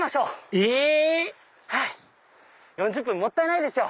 え⁉４０分もったいないですよ。